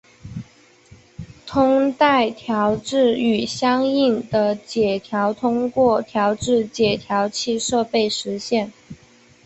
通带调制与相应的解调通过调制解调器设备实现。